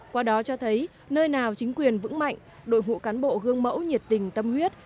qua đó cho thấy nơi nào chính quyền vững mạnh đội ngũ cán bộ gương mẫu nhiệt tình tâm huyết